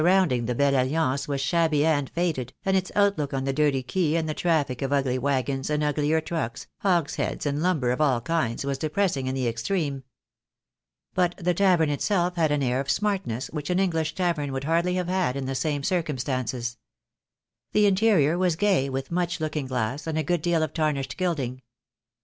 I 85 rounding the "Belle Alliance" was shabby and faded, and its outlook on the dirty quay and the traffic of ugly waggons and uglier trucks, hogsheads and lumber of all kinds, was depressing in the extreme. But the tavern itself had an air of smartness which an English tavern would hardly have had in the same circumstances. The interior was gay with much looking glass, and a good deal of tarnished gilding.